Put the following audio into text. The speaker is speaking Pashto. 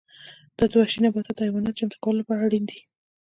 دا د وحشي نباتاتو او حیواناتو چمتو کولو لپاره اړین دي